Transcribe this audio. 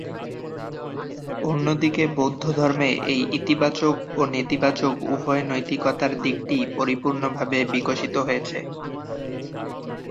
অন্যদিকে বৌদ্ধধর্মে এই ইতিবাচক ও নেতিবাচক উভয় নৈতিকতার দিকটিই পরিপূর্ণরূপে বিকশিত হয়েছে।